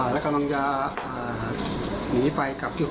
แล้วกำลังจะหนีไปกับที่ผู้ต้องหานะครับ